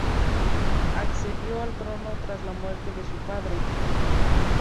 Accedió al trono tras la muerte de su padre.